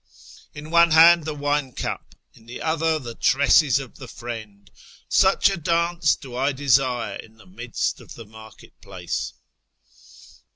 "" In one liand tlie wine cup, in the other the tresses of the Friend — Sucli a dunce do I desire in the midst of the market place